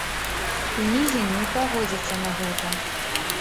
Пінігін не пагодзіцца на гэта.